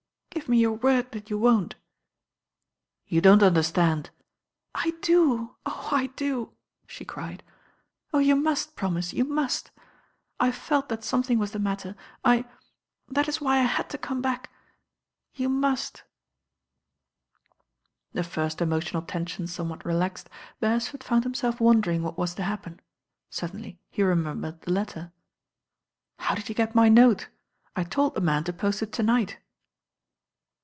"Give me your word that you won't?" "You don't understand.'* "I do, oh I I do," she cried. 0h, you must promise, you must I felt that something was the matter. I— that is why I had to come back. You must." The first emotional tension somewhat relaxed, Beresford found himself wondering what was to happ'in. Suddenly he remembered the letter. "How did you get my note? I told the man to post it to night."